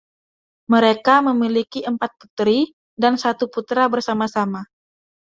Mereka memiliki empat putri dan satu putra bersama-sama.